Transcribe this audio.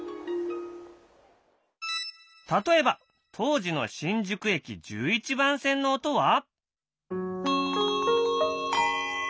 例えば当時の新宿駅１１番線の音は？